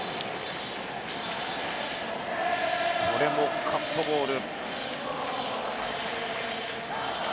これもカットボール。